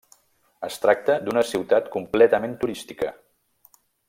Es tracta d'una ciutat completament turística.